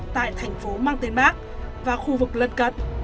tại thành phố mang tên bác và khu vực lân cận